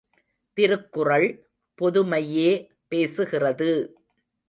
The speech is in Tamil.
திருக்குறள், பொதுமையே பேசுகிறது!